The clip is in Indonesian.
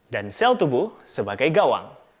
dan sel tubuh sebagai gawang